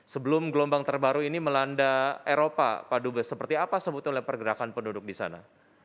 sebelum gelombang terbaru ini melanda eropa pak dubes seperti apa sebetulnya pergerakan penduduk di sana